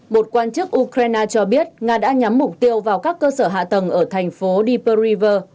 một quan chức ukraine cho biết nga đã nhắm mục tiêu vào các cơ sở hạ tầng ở thành phố deporiver